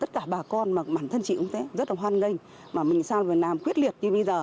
tất cả bà con mà bản thân chị cũng sẽ rất là hoan nghênh mà mình sang việt nam quyết liệt như bây giờ